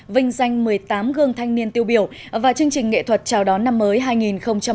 vinh danh một mươi tám gương thanh niên tiêu biểu và chương trình nghệ thuật chào đón năm mới hai nghìn một mươi chín